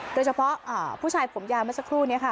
โดยเฉพาะผู้ชายผมยาวเมื่อสักครู่นี้ค่ะ